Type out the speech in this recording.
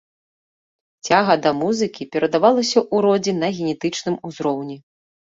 Цяга да музыкі перадавалася ў родзе на генетычным узроўні.